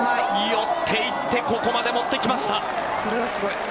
寄っていってここまで持ってきました。